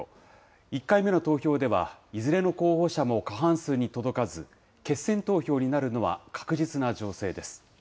１回目の投票では、いずれの候補者も過半数に届かず、決選投票になるのは確実な情勢です。